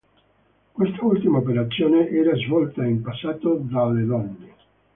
Quest'ultima operazione era svolta, in passato, dalle donne.